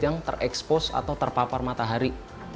yang terekspos atau terpapar matahari